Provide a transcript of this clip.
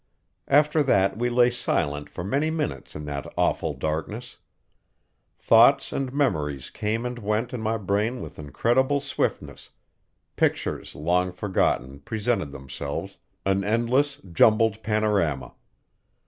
After that we lay silent for many minutes in that awful darkness. Thoughts and memories came and went in my brain with incredible swiftness; pictures long forgotten presented themselves; an endless, jumbled panorama.